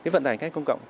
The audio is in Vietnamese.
vận tải công cộng